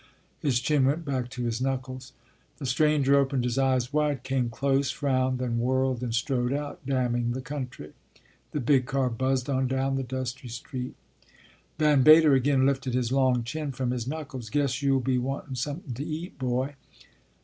His chin went back to his knuckles. The stranger opened his eyes wide, came close, frowned, then whirled and strode out, damning the country. The big car buzzed on down the dusty street. Van Vader again lifted his long chin from his knuckles. " Guess you ll be wantin somethin to eat, boy.